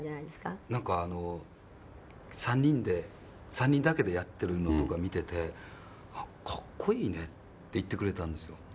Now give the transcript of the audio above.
谷村：なんか、３人で３人だけでやってるのとか見てて「かっこいいね」って言ってくれたんですよ。